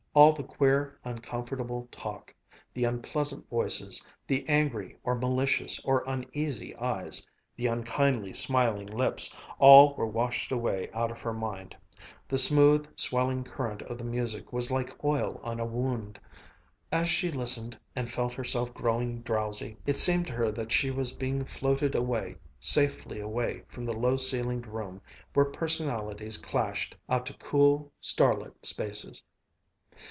All the queer, uncomfortable talk, the unpleasant voices, the angry or malicious or uneasy eyes, the unkindly smiling lips, all were washed away out of her mind. The smooth, swelling current of the music was like oil on a wound. As she listened and felt herself growing drowsy, it seemed to her that she was being floated away, safely away from the low ceilinged room where personalities clashed, out to cool, star lit spaces.